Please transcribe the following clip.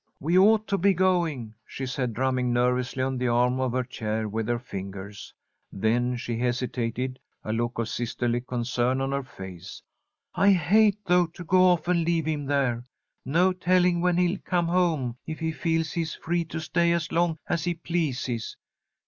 "We ought to be going," she said, drumming nervously on the arm of her chair with her fingers. Then she hesitated, a look of sisterly concern on her face. "I hate, though, to go off and leave him there. No telling when he'll come home if he feels he is free to stay as long as he pleases.